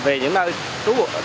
về những nơi